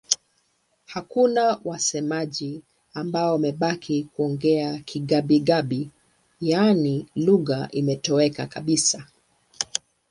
Hakuna wasemaji ambao wamebaki kuongea Kigabi-Gabi, yaani lugha imetoweka kabisa.